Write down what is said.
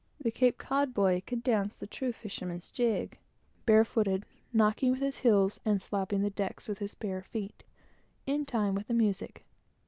The Cape Cod boy could dance the true fisherman's jig, barefooted, knocking with his heels, and slapping the decks with his bare feet, in time with the music.